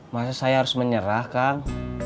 masa saya harus menyerah kang